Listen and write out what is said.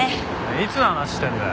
いつの話してんだよ。